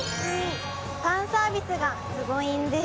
「ファンサービスがすごいんです」